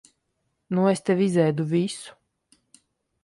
Nu es tev izēdu visu.